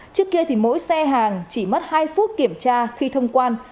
trước kia thì mỗi xe hàng chỉ mất hai phút kiểm tra khi thông quan